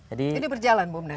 ini berjalan bumdes